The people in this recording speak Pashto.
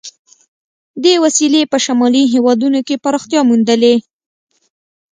دې وسیلې په شمالي هېوادونو کې پراختیا موندلې.